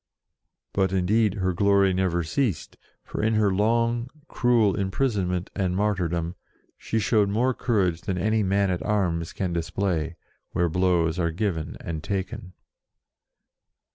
But, indeed, her glory never ceased, for in her long, cruel imprisonment and mar tyrdom, she showed more courage than any man at arms can display, where blows are given and taken.